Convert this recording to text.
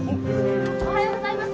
おはようございます！